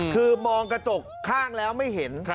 คือมองกระจกข้างแล้วไม่เห็น